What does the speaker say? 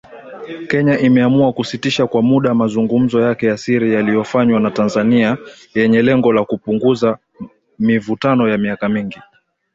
Kenya imeamua kusitisha kwa muda mazungumzo yake ya siri yaliyofanywa na Tanzania yenye lengo la kupunguza mivutano ya miaka mingi.